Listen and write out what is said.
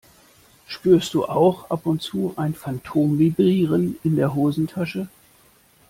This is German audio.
Spürst du auch ab und zu ein Phantomvibrieren in der Hosentasche?